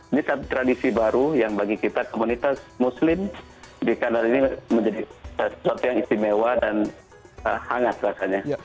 ini satu tradisi baru yang bagi kita komunitas muslim di kanada ini menjadi sesuatu yang istimewa dan hangat rasanya